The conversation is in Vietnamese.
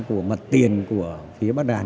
của mặt tiền của phía bát đàn